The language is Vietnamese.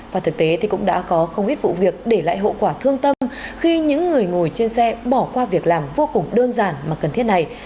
và thực tế thì cũng đã có không ít vụ việc để lại hậu quả thương tâm khi những người ngồi trên xe bỏ qua việc làm vô cùng đơn giản mà cần thiết này